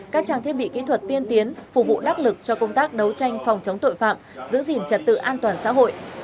các trang thiết bị kỹ thuật tiên tiến phục vụ đắc lực cho công tác đấu tranh phòng chống tội phạm giữ gìn trật tự an toàn xã hội